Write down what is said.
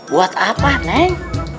buat apa neng